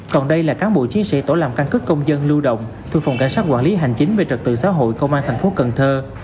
còn đây là cán bộ chiến sĩ tổ làm căn cứ công dân lưu động thuộc phòng cảnh sát quản lý hành chính về trật tự xã hội công an thành phố cần thơ